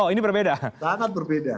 oh ini berbeda sangat berbeda